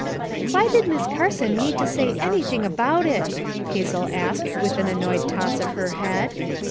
"Why did Miss Carson need to say anything about it?" Isabel asked with an annoyed toss of her head.